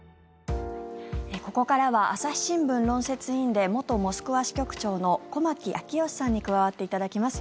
ここからは朝日新聞論説委員で元モスクワ支局長の駒木明義さんに加わっていただきます。